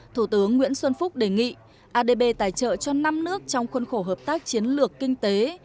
thủ tướng nguyễn xuân phúc đề nghị adb tài trợ cho năm nước trong khuôn khổ hợp tác chiến lược kinh tế